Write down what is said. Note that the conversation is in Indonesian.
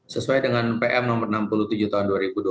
sesuai dengan pm nomor enam puluh tujuh tahun dua ribu dua puluh